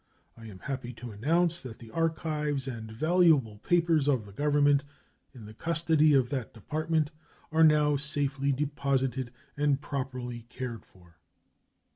I am happy to announce that the archives and valuable papers of the Government in the custody of that Department are now safely deposited and properly cared for.